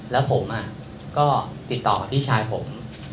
แล้วผมก็ติดต่อกับพี่ชายผม